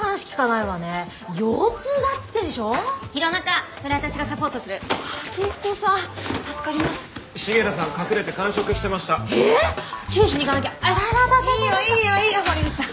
いいよいいよいいよ森口さん。